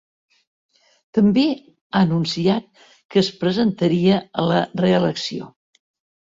També ha anunciat que es presentaria a la reelecció.